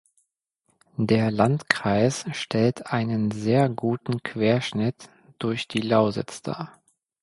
Der Landkreis stellt einen sehr guten Querschnitt durch die Lausitz dar.